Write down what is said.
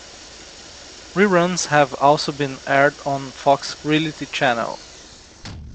Reruns have also been aired on Fox Reality Channel.